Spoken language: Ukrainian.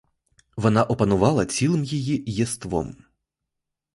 Вона опанувала цілим її єством.